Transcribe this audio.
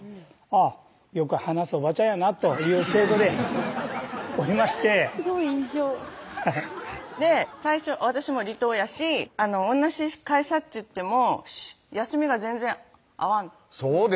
あぁよく話すおばちゃんやなという記憶でおりましてすごい印象ハハッ最初私も離島やし同じ会社っちゅっても休みが全然合わんそうですよね